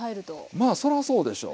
まあそらそうでしょう。